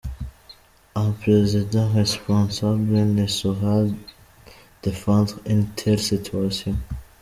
Un président responsable ne saurait défendre une telle situation.